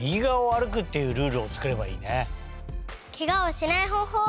ケガをしないほうほう